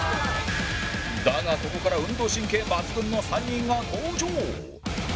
だがここから運動神経抜群の３人が登場